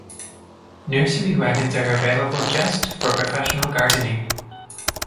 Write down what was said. Nursery wagons are available just for professional gardening.